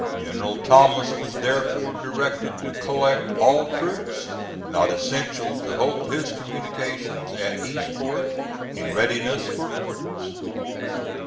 General Thomas was therefore directed to collect all troops, not essential to hold his communications at Eastport, in readiness for orders.